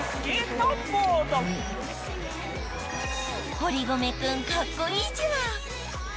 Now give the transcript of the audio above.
堀米君カッコいいじわ！